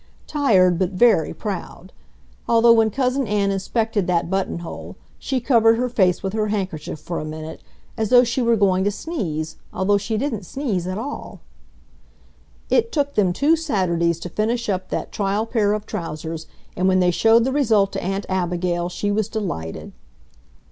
Tired, but very proud; although when Cousin Ann inspected that buttonhole, she covered her face with her handkerchief for a minute, as though she were going to sneeze, although she didn't sneeze at all. It took them two Saturdays to finish up that trial pair of trousers, and when they showed the result to Aunt Abigail she was delighted.